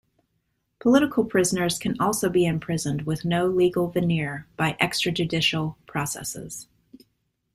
Political prisoners can also be imprisoned with no legal veneer by extrajudicial processes.